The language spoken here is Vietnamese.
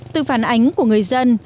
từ phản ánh của người dân